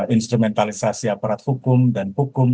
instrumentalisasi aparat hukum dan hukum